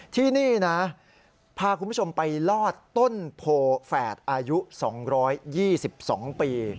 ที่นี่นะพาคุณผู้ชมไปลอดต้นโพแฝดอายุ๒๒ปี